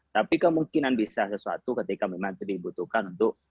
tapi kemungkinan bisa sesuatu ketika memang itu dibutuhkan untuk